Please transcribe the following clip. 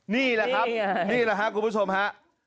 นี่แหละครับนี่แหละครับคุณผู้ชมฮะ